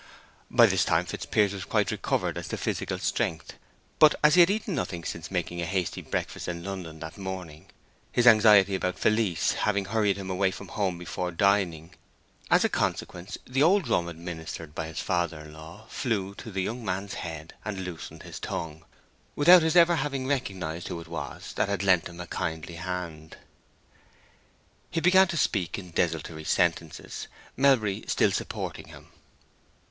By this time Fitzpiers was quite recovered as to physical strength. But he had eaten nothing since making a hasty breakfast in London that morning, his anxiety about Felice having hurried him away from home before dining; as a consequence, the old rum administered by his father in law flew to the young man's head and loosened his tongue, without his ever having recognized who it was that had lent him a kindly hand. He began to speak in desultory sentences, Melbury still supporting him.